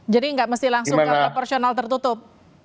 jadi nggak mesti langsung kapal proporsional tertutup